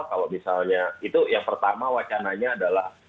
kalau misalnya itu yang pertama wacananya adalah